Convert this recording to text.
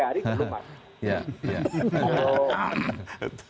hari belum mas